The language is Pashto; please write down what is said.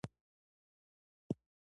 اقلیم د افغانستان د طبیعي پدیدو یو رنګ دی.